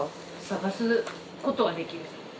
探すことはできる。